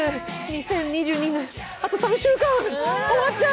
２０２２年、あと３週間、終わっちゃう。